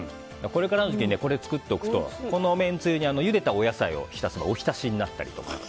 これからの時期にこれを作っておくとこのめんつゆにゆでたお野菜を浸すとおひたしになったりとか。